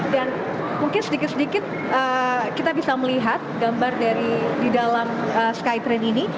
dan mungkin sedikit sedikit kita bisa melihat gambar dari di dalam skytrain ini